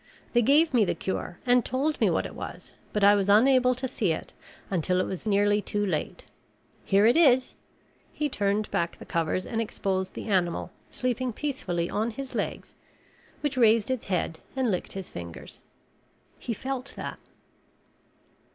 They gave me the cure and told me what it was, but I was unable to see it until it was nearly too late. Here it is." He turned back the covers and the exposed animal sleeping peacefully on his legs which raised its head and licked his fingers. He felt that.